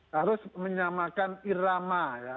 harus menyamakan irama ya